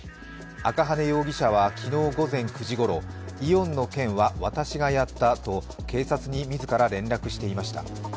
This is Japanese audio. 赤羽容疑者は昨日午前９時ごろ、イオンの件は私がやったと警察に自ら連絡していました。